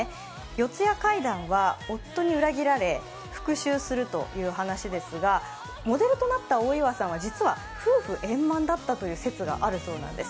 四谷怪談は夫に裏切られ、復しゅうするという話ですが、モデルとなったおいわさんは実は夫婦円満だったという説があるそうなんです。